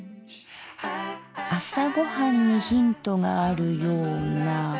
朝ごはんにヒントがあるような。